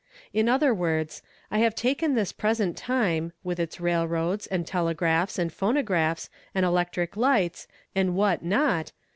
In other words, I have taken th," present fame, with its :uilroads. and telegraph and phonographs, and electric li„U. „„f ?u : not.